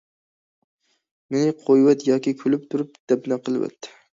مېنى قويۇۋەت ياكى كۈلۈپ تۇرۇپ دەپنە قىلىۋەت.